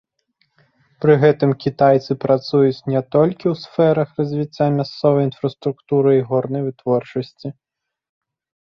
Пры гэтым кітайцы працуюць не толькі ў сферах развіцця мясцовай інфраструктуры і горнай вытворчасці.